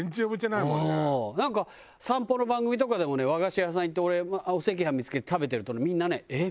なんか散歩の番組とかでもね和菓子屋さん行って俺お赤飯見付けて食べてるとねみんなねえっ？